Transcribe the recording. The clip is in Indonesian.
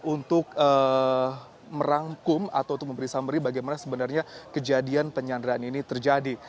untuk merangkum atau untuk memberi summary bagaimana sebenarnya kejadian penyanderaan ini terjadi